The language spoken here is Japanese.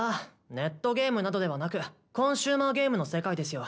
ネットゲームなどではなくコンシューマーゲームの世界ですよ。